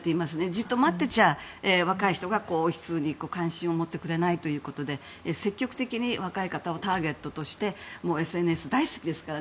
じっと待ってちゃ若い人が王室に関心を持ってくれないということで積極的に若い方をターゲットとしてＳＮＳ、大好きですから。